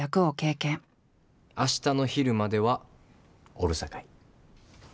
明日の昼まではおるさかい。